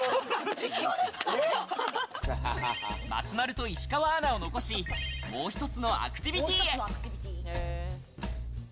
松丸と石川アナを残し、もう一つのアクティビティーへ。